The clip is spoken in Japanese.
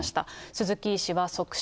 鈴木医師は即死。